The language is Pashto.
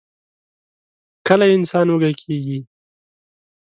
کله انسان وږۍ کيږي؟